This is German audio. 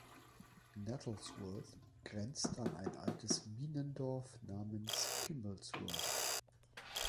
Nettlesworth grenzt an ein altes Minendorf namens Kimblesworth.